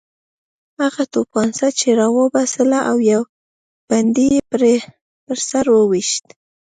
هغه توپانچه راوباسله او یو بندي یې په سر وویشت